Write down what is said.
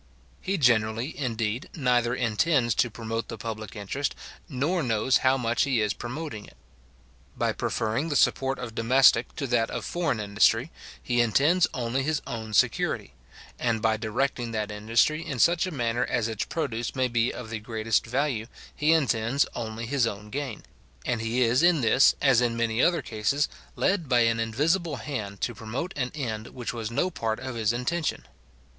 He generally, indeed, neither intends to promote the public interest, nor knows how much he is promoting it. By preferring the support of domestic to that of foreign industry, he intends only his own security; and by directing that industry in such a manner as its produce may be of the greatest value, he intends only his own gain; and he is in this, as in many other cases, led by an invisible hand to promote an end which was no part of his intention.